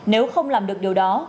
nếu không làm được điều đó